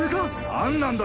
何なんだ！